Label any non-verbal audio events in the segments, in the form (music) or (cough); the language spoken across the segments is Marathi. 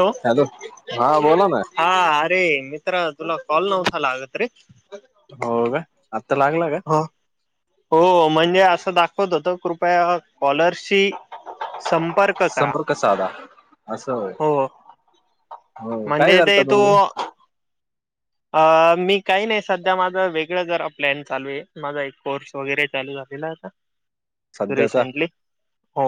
लो हॅलो हा बोला ना आत रे मित्र तुला कॉल नव्हता लागत रे. हो का. आत्ता लागला का हो, हो म्हणजे अस दाखवत होत कृपया कॉलरशी संपर्क करा, संपर्क साधा असं होय हो. हो काय म्हणजे करता ते तू तुम्ही अ मी काही नाही सध्या माझ वेगळं जरा प्लॅन चालू आहे माझा एक कोर्स वगैरे चालू गेला आता. सध्याचा रिसेन्टली, हो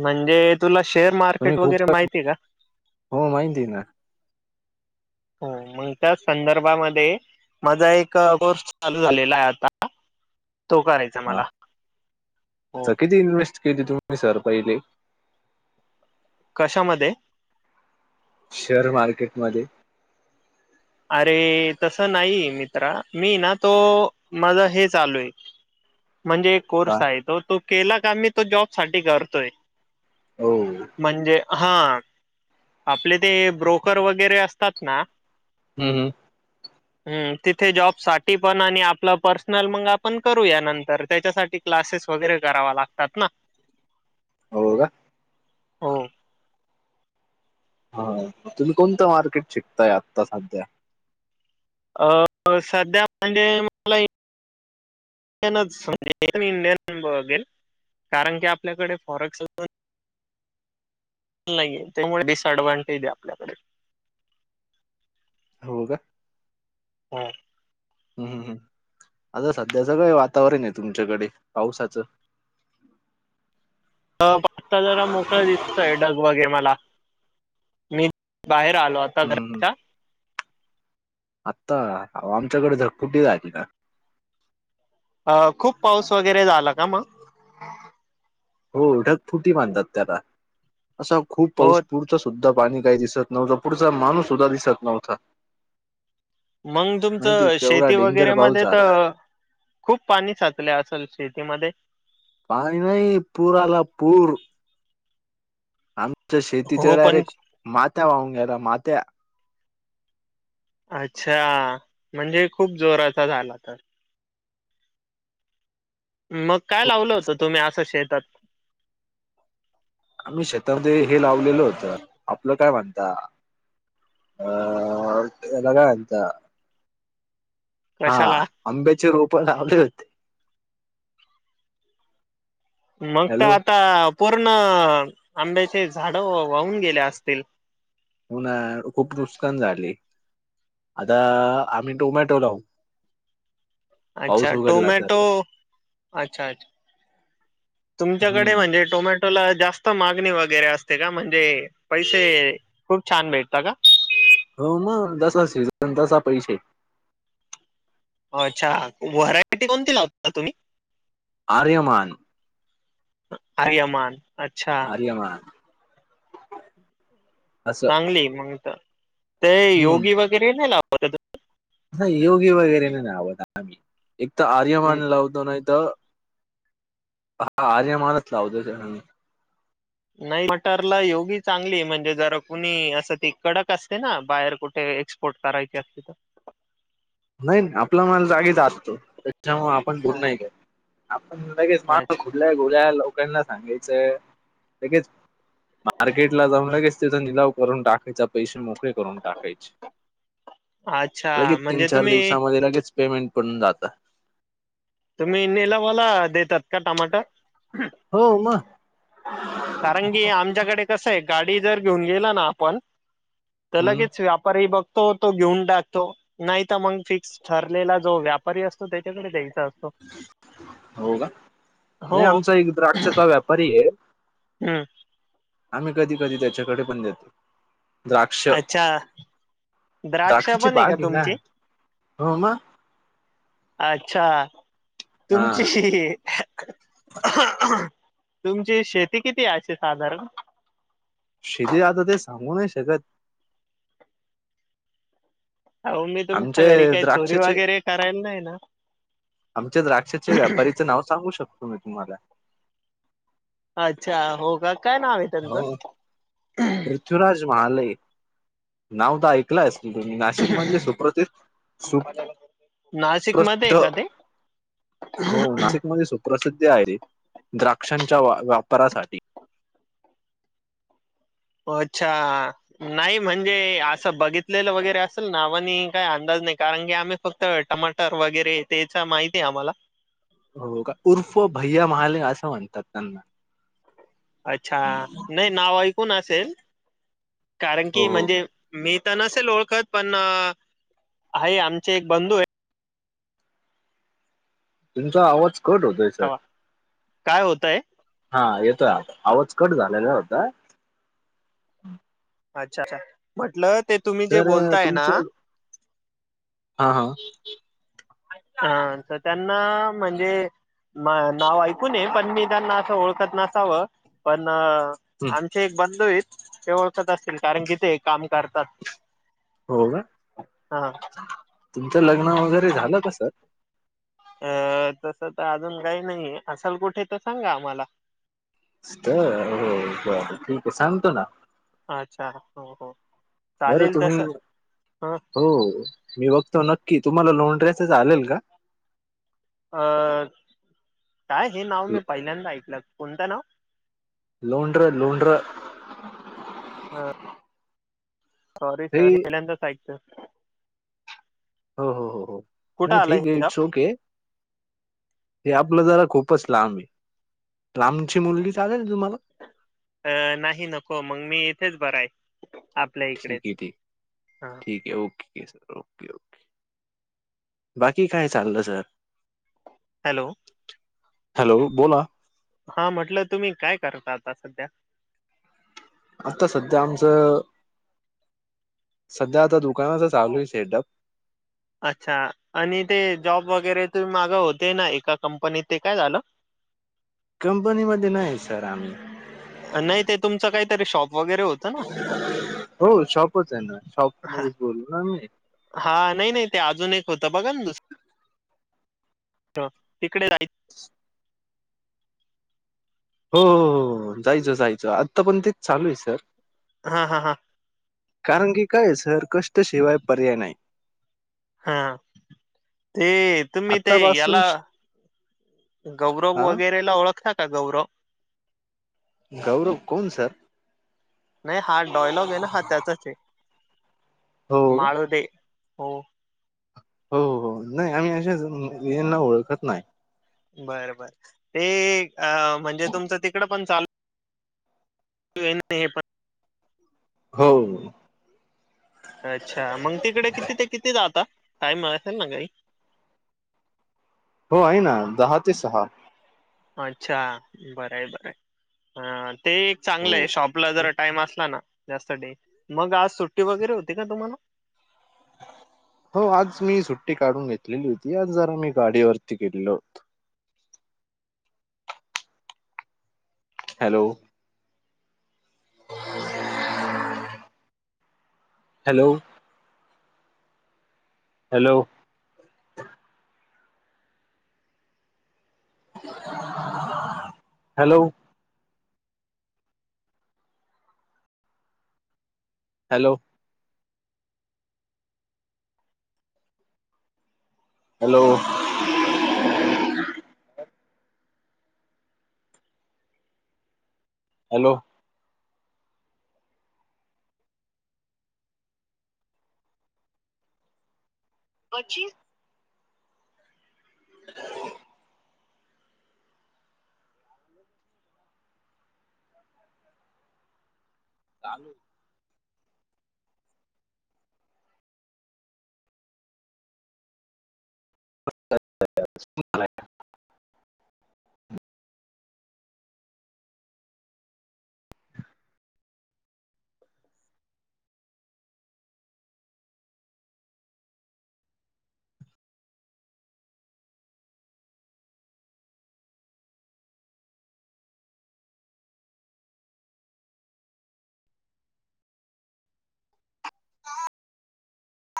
म्हणजे तुला शेअर तुम्ही मार्केट खूप वगैरे माहितीय का? हो माहिती ना हां आणि मग त्या संदर्भामध्ये माझा एक कोर्स चालू झालेला आहे आता. (inaudible) मला हा हो तर किती इन्व्हेस्ट कीती तुम् (unintelligible) ही सर पहिले शामध्ये शेअर मार्केट मध्ये. आरे तसं नाहीये मित्रा मी ना तो माझ हे चालू आये. म्हणजे एक का कोर्स आहे तो तो केला का मी तो जॉब साठी करतोय. हो हम्म म्हणजे? हा, आपले ते ब्रोकर वगैरे असतात ना. हम्म. हम्म तिथे जॉब साठी पण आणि आपलं पर्सनल मग आपण करूया नंतर त्याच्यासाठी क्लासेस वगैरे करावा लागतात ना. हो का. हो. हा तुम्ही कोणतं मार्केट शिकताय आता सध्या. अ सध्या म्हणजे मला एक (unintelligible) इंडियन बघेल. कारण की आपल्याकडे फॉरेक्स नाहीये त्यामुळे डिस अ्ँडव्हानटेज आहे आपल्याकडे. हो का. हा. हम्म हम्म आता सध्याच वेळ वातावरण आहे तुमच्याकडे पावसाचं. (inaudible) आता जरा मोकळं दिसतंय डग वगैरे मला मी बाहेर आलो आता (unintelligible) आता आमच्याकडे जर कुठे (unintelligible) अ खूप पाऊस वगैरे झाला का मग? होढक फुटी मानतात त्याला असा खूप हो पाऊस पुरचा सुद्धा पाणी काही दिसत नव्हतं पुढचा माणूस सुद्धा दिसत नव्हता. मग माहिती तुमचं एवढा शेती डेंजर वगैरे मग पाऊस झाला तिथं खूप पाणी साचले असल शेतीमध्ये. पाय नाही पुराला पूर. आमच्या शेतीच्या हो पण डायरेक्ट माथ्या वाहून ग्याला माथ्या. अच्छा म्हणजे खूप जोराचा झाला तर. मग काय लावलं होतं तुम्ही असं शेतात. आम्ही शेतामध्ये हे लावलेलो होतं आपलं काय म्हणता याला काय (unintelligible) हा कशाला आंब्याचे रोप लावले होते. मग काय हॅलो आता पूर्ण आंब्याचे झाड वाहून गेले असतील. हो ना खूप नुकसान झाले. आता आम्ही टोमॅटो लाहू. आच्छा टोमॅटो अच्छा अच्छा तुमच्याकडे हम्म म्हणजे टोमॅटोला जास्त मागणी वगैरे असते का म्हणजे पैसे खूप छान भेटता का हो मग जसा सिझन तसा पैसे हो अच्छा व्हरायटी कोणती लावता तुम्ही आरयमान अरेयमान आर्यमान असं चांगली मग ते हम्म योगी वगैरे नाही लावत त नाही योगी वगैरे नाही लावत आम्ही एक तर तुम्ही? आर्यमान लावतो न त हा आर्या (unintelligible) लाव (unintelligible) नाही मटरला योगी चांगली म्हणजे जरा कुणी असं ती कडक असते ना बाहेर कुठे एक्सपोर्ट करायची असते. नाही ना आपला मला जागीचा असतो त्याच्यामुळ आपण बो अ- (unintelligible) लगेच अच्छा (unintelligible) लोकांना सांगायचंय लगेच मार्केट ला जाऊ लगेच त्याचा निलाव करून टाकायचा पैसा मोकळे करून टाकायचे अच्छा लगेच तीन म्हणजे चार तुम्ही दिवसामध्ये लगेच पेमेंट पडून जात तुम्ही नेला वाला देतात का टामाटा हो मग कारण की आमच्याकडे कसं आहे गाडी जर घेऊन गेला ना आपण तर हम्म लगेच व्यापारीही बघ तो तो घेऊन टाकतो नाही तर मग फिक्स ठरलेला जो व्यापारी असतो त्याच्याकडे द्यायचं हो का हो. नाही आमचा एक द्राक्षेचा व्यापारी हे हम आम्ही कधी कधी त्याच्याकडे पण देतो द्राक्ष आच्छा द्राक्ष द्राक्षाची पण आहे का बाग ना तुमचे हो मग आच्छा हा तुमची हे तुमची शेती किती अशी साधारण शितीे आता ते सांगू नाही शकत अहो मी आमचे तुमच्या घरी काही चोरी द्राक्षाचे वगैरे करायला नाही येणार आमच्या द्राक्षाचे व्यापारीच नाव सांगू शकतो मी तुम्हाला अच्छा हो का काय नाव आहे त्यांचं महालय नाव त ऐकलंयस नाशिक मधले सुप्रतित नाशिकमध्ये सुप्रसिद्ध. आहे का ते? हो नाशिकमध्येच. प्रसिद्ध आहे ते द्राक्षांच्या वा वापरासाठी. अच्छा नाही म्हणजे असं बघितलेलं वगैरे असेल नावानी काय अंदाज. नाही कारण की आम्ही फक्त टमाटर वगैरे तेच माहिती आहे आम्हाला. हो का उर्फ भैया महाले असं म्हणतात त्यांना. अच्छा नाही नाव ऐकून असेल कारण की हो हो म्हणजे मी त्याना असेल ओळखत पण आहे आमचे एक बंधू आहे. तुमचा आवाज कट होतोय सर. आहे काय होतय. हा येतोय आता आवाज कट झालेला होता. अच्छा अच्छा म्हटल. ते तुम्ही जे तर बोलताय ना. तुमचं हा हा अ तर त्यांना म्हणजे? नाव ऐकून ये पण मी त्यांना असं ओळखत नसावं पण. (inaudible) आमचे एक बंधू ते ओळखत असतील कारण कि काम करतात. हो का? हा तुमचं लग्न वगैरे झालं का सर? अं तस तर अजून काही नाहीय असाल कुठे तर सांगा आम्हाला. हो बर ठीक आहे सांगतो ना. अच्छा हो हो! बरं चालेल तुम्ही तसं ह हो मी बघतो नक्की तुम्हाला लो तसं चालल का? अ काय हे नाव लो मी पहिल्यांदा ऐकलं कोणत नाव लोड्र लोड्र. हा. सॉरी सर हे पहिल्यांदाच ऐकतोय. हो हो हो हो कुठं नाही आलं ठीक हे आहे गाव? It's okay. हे आपलं जरा खूपच लांब आहे लांबची मुलगी चालेल तुम्हाला. अ नाही नको मग मी येथेच बरा आहे. आपल्या ठीक इकडेच आहे ठीक हा. ठीक आहे ओके ओके बाकी काय चालं सर. हॅलो! हॅलो बोला. हा म्हटलं तुम्ही काय करता आता सध्या. आता सध्या आमचं. सध्या आता दुकानाच चालू आहे सेटअप. अच्छा आणि ते जॉब वगैरे तु मागं होते ना एका कंपनीत ते काय झालं. कंपनीमध्ये नाही सर आम्ही. नाही ते तुमचं काहीतरी शॉप वगैरे होतं ना? (inaudible) हो शॉपच आहे ना शॉप हां, मध्येच बोलल ना मी. हां, नाही नाही ते अजून एक होतं बघा ना दुसरं हो तिकडे (unintelligible) (inaudible) हो.. हो.. हो.. जायचं.. जायचं आत्ता पण तेच चालू आहे सर हा हा हा. कारण की कायच सर कष्टशिवाय पर्याय नाही. हा ते तुम्ही ते आत्तापासून याला. श गौरव हां, वगैरे ला ओळखता का? गौरव.. गौरव कोण सर? नाही हा डायलॉग हो का? माळोदे हो हो हो नाही आम्ही अशाच यांना ओळखत नाही बर बर ते अ म्हणजे तुमचं तिकडं पण चालू (unintelligible) हे पण हो अच्छा मग तिकडे किती ते किती जाता? काय मग असले ना घरी हो आहे ना दहा ते सहा अच्छा! बरं आहे बर आहे ते एक चांगलं हो, आहे शॉपला जर टाइम असला ना जास्त डे मग आज सुट्टी वगैरे होती का तुम्हाला हो आज मी सुट्टी काढून घेतलेली होती आज जरा मी गाडीवरती गेलेलो होतो. Hello! (inaudible) Hello - hello hello hello - hello hello पचिस (inaudible) चालू (unintelligible)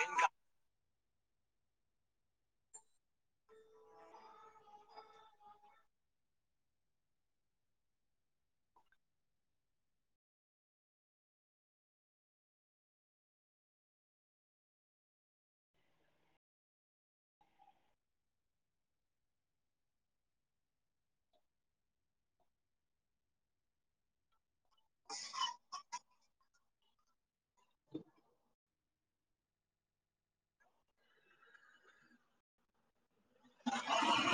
तैन का (inaudible)